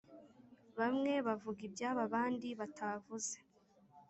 bamwe bavuga ibyabo abandi batavuze